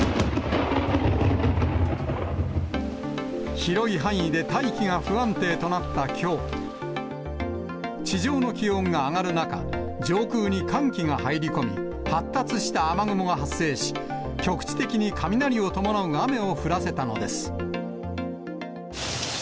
広い範囲で大気が不安定となったきょう、地上の気温が上がる中、上空に寒気が入り込み、発達した雨雲が発生し、局地的に雷を伴う雨を降らせたのです。